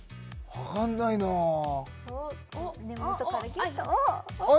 上がんないなあっ